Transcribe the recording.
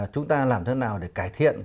chúng ta làm thế nào để cải thiện